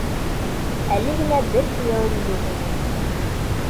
Әле генә бер кейәүем юҡ ине.